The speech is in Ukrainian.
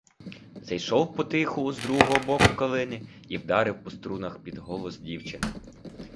Зайшов потиху з другого боку калини і вдарив по струнах під голос дівчини.